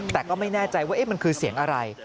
แต่ก็ไม่แน่ใจว่ามันคือเสียงอะไร